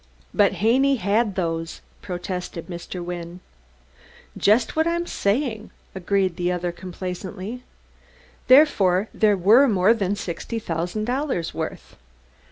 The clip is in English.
"But Haney had those!" protested Mr. Wynne. "Just what I'm saying," agreed the other complacently. "Therefore there were more than sixty thousand dollars' worth.